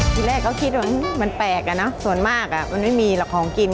ที่แรกเขาคิดว่ามันแปลกอะเนาะส่วนมากมันไม่มีหรอกของกิน